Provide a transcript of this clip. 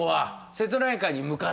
瀬戸内海に向かって？